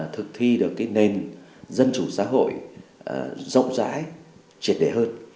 thực thi được nền dân chủ xã hội rộng rãi triệt đề hơn